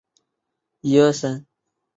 已被定为第二批上海市优秀历史建筑。